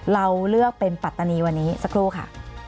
เราเลือกเป็นปัตตานีวันนี้สักครู่ค่ะ